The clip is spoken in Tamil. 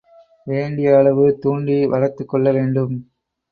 வேண்டிய அளவு தூண்டி வளர்த்துக் கொள்ள வேண்டும்.